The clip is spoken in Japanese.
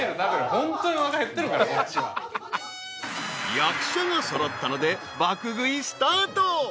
［役者が揃ったので爆食いスタート］